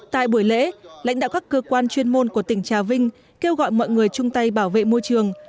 tại buổi lễ lãnh đạo các cơ quan chuyên môn của tỉnh trà vinh kêu gọi mọi người chung tay bảo vệ môi trường